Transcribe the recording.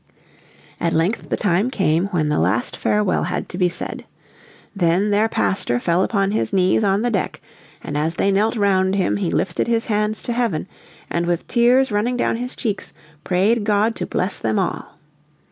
At length the time came when the last farewell had to be said. Then their pastor fell upon his knees on the deck, and as they knelt round him he lifted his hands to heaven, and with tears running down his cheeks prayed God to bless them all.